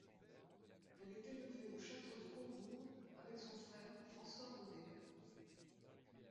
Elle est élevée au château de Combourg avec son frère François-René.